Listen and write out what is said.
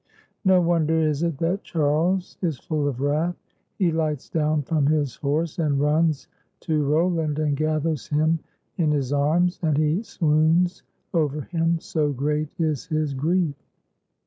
No wonder is it that Charles is full of wrath. He lights down from his horse, and runs to Roland and gathers him in his arms; and he swoons over him, so great is his grief.